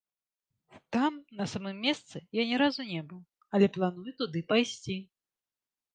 Там, на самым месцы, я ні разу не быў, але планую туды пайсці.